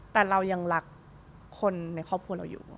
แต่เรายังรักคนในครอบครัวเราอยู่